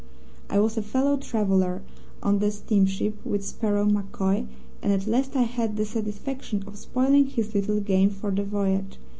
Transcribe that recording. "I was a fellow traveller, on the steamship, with Sparrow MacCoy, and at least I had the satisfaction of spoiling his little game for the voyage.